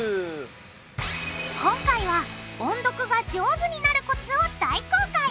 今回は音読が上手になるコツを大公開！